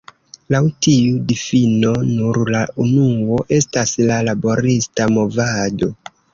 Laŭ tiu difino, nur la unuo estas la "laborista movado".